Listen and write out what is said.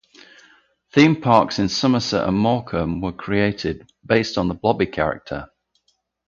Theme parks in Somerset and Morecambe were created based on the Blobby character.